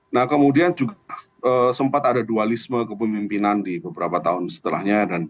nah kemudian juga sempat ada dualisme kepemimpinan di beberapa tahun setelahnya